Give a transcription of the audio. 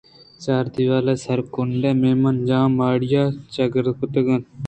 چار دیوالے ءِ سر کنڈ ءَ مہمان جاہ ءِ ماڑی ءَ چاگردکُتگ اَت